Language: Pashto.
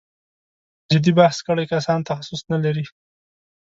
جدي بحث کړی کسان تخصص نه لري.